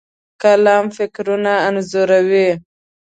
قلم فکرونه انځوروي.